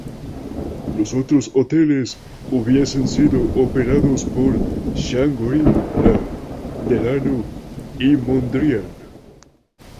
Los otros hoteles hubiesen sido operados por Shangri-La, Delano y Mondrian.